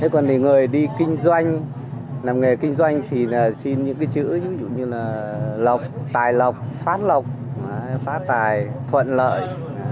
còn người đi kinh doanh làm nghề kinh doanh thì xin những chữ như là lọc tài lọc phát lọc phát tài thuận lợi